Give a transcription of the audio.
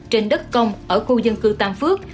trên đất công ở khu dân cư tam phước